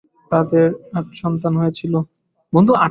তাদের আট সন্তান হয়েছিল।